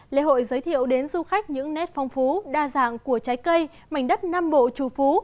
lễ hội giới thiệu đến du khách những nét phong phú đa dạng của trái cây mảnh đất nam bộ trù phú